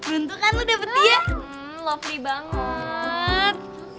beruntung kan lo dapet dia lovely banget